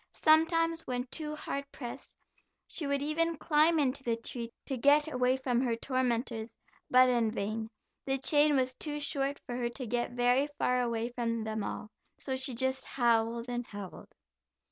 Sometimes, when too hard pressed, she would even climb into the tree, to get away from her tormentors, but in vain; the chain was too short for her to get very far away from them all, so she just howled and howled.